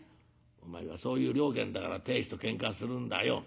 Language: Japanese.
「お前はそういう了見だから亭主とけんかするんだよ。